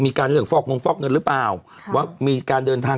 ขอบคุณนะครับขอบคุณนะครับขอบคุณนะครับ